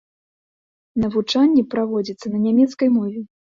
Навучанне праводзіцца на нямецкай мове.